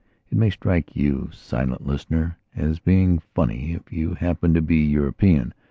It may strike you, silent listener, as being funny if you happen to be European.